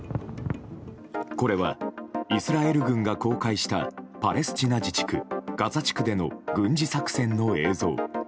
これはイスラエル軍が公開したパレスチナ自治区ガザ地区での軍事作戦の映像。